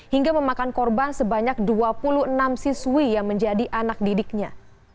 hingga memakan korban sebanyak dua puluh enam siswi yang menjadi anak didiknya